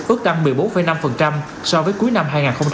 ước tăng một mươi bốn năm so với cuối năm hai nghìn hai mươi một